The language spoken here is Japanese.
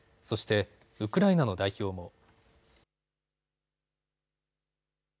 そして、ウクライナの代表も。